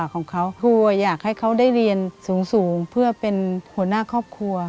เขาได้เรียนสูงเพื่อเป็นหัวหน้าครอบครัว